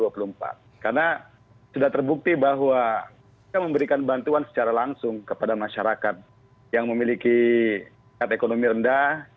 karena sudah terbukti bahwa kita memberikan bantuan secara langsung kepada masyarakat yang memiliki kata ekonomi rendah